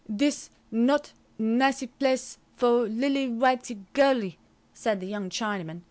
"This not nicee place for lillee whitee girlee," said the young Chinaman.